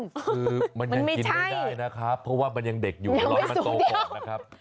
คือมันยังกินไม่ได้นะครับเพราะว่ามันยังเด็กอยู่รอให้มันโตก่อนนะครับ